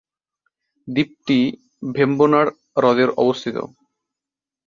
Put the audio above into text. দ্বীপটি ভেম্বনাড় হ্রদের অবস্থিত।